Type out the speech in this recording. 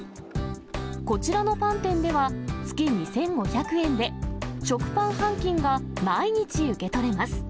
こちらのパン店では、月２５００円で、食パン半斤が毎日受け取れます。